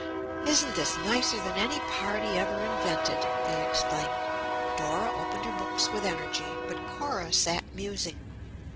"Isn't this nicer than any party ever invented?" they exclaimed. Dora opened her books with energy, but Cora sat musing.